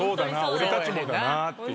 俺たちもだなぁっていう。